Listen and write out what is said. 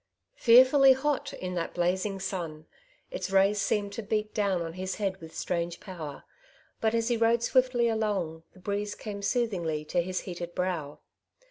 Fearfully hot in that blazing sun I Its rays seemed to beat down on his head with strange power; but, as he rode swiftly along, the breeze came soothingly to his heated brow.